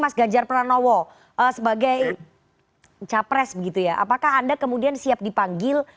mengajar peranowo sebagai capres begitu ya apakah anda kemudian siap dipanggil